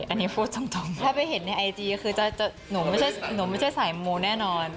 อันนี้พูดจริงถ้าไปเห็นในไอจีหนูไม่ใช่สายมูแน่นอน